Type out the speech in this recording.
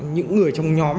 những người trong nhóm